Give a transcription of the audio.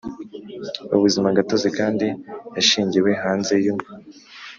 Ubuzima gatozi kandi yashingiwe hanze y u